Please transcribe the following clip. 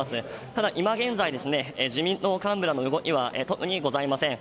ただ今現在自民党幹部らの動きは特にございません。